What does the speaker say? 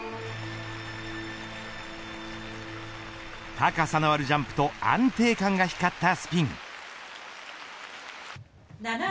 高さのあるジャンプと安定感が光ったスピン。